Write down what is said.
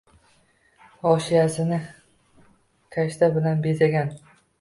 Hoshiyasini kashta bilan bezagan